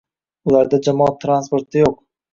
Ularda jamoat transporti yo'q